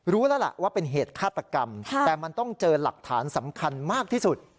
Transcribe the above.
รู้แล้วล่ะว่าเป็นเหตุฆาตกรรมแต่มันต้องเจอหลักฐานสำคัญมากที่สุด